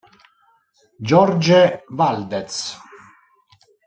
Jorge Valdez